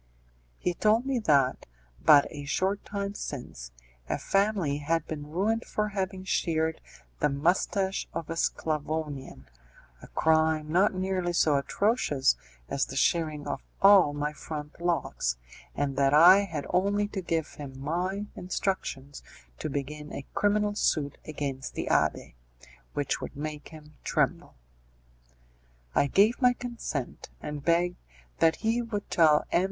He told me that, but a short time since, a family had been ruined for having sheared the moustache of a Sclavonian a crime not nearly so atrocious as the shearing of all my front locks, and that I had only to give him my instructions to begin a criminal suit against the abbé, which would make him tremble. I gave my consent, and begged that he would tell M.